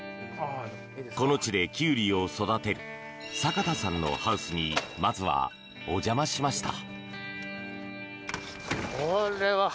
この地でキュウリを育てる坂田さんのハウスにまずはお邪魔しました。